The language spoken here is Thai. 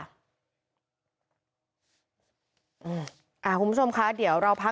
กรุงเทพฯมหานครทำไปแล้วนะครับ